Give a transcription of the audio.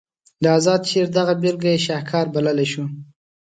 د اذاد شعر دغه بیلګه یې شهکار بللی شو.